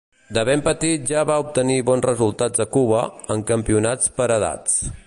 De ben petit ja va obtenir bons resultats a Cuba, en campionats per edats.